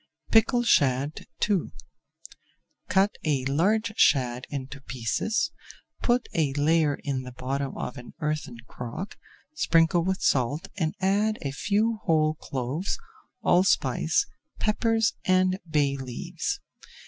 PICKLED SHAD II Cut a large shad into pieces, put a layer in the bottom of an earthen crock, sprinkle with salt, and add a few whole cloves, allspice, peppers, and bay leaves.